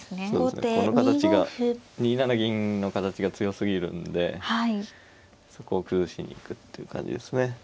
この形が２七銀の形が強すぎるんでそこを崩しに行くっていう感じですね。